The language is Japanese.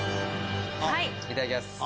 いただきます。